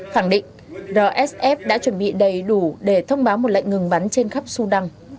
khẳng định rsf đã chuẩn bị đầy đủ để thông báo một lệnh ngừng bắn trên khắp sudan